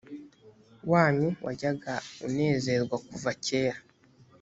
wanyu wajyaga unezerwa kuva kera